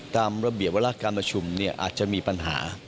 ตามระเบียบวาระการประชุมเนี่ยอาจจะมีปัญหา